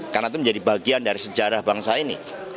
karena itu menjadi bagian dari sejarah bangsa ini